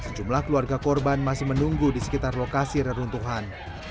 sejumlah keluarga korban masih menunggu di sekitar lokasi reruntuhan